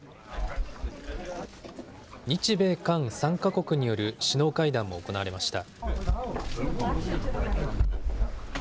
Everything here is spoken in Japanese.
日米韓３か国による首脳会談も行われました。